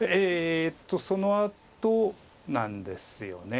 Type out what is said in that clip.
そのあとなんですよね。